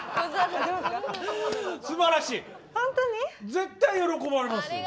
絶対喜ばれます。